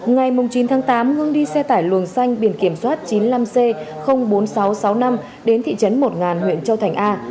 ngày chín tháng tám hưng đi xe tải luồng xanh biển kiểm soát chín mươi năm c bốn nghìn sáu trăm sáu mươi năm đến thị trấn một huyện châu thành a